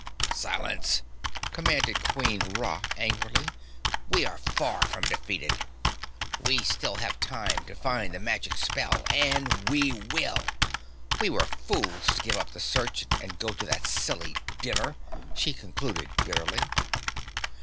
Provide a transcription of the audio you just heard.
"Silence!" commanded Queen Ra angrily. "We are far from defeated. We still have time to find the magic spell. And we will! We were fools to give up the search and go to that silly dinner," she concluded bitterly.